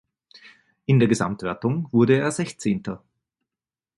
In der Gesamtwertung wurde er Sechzehnter.